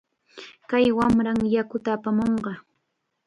Kay wamram yakuta apamunqa.